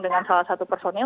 dengan salah satu personil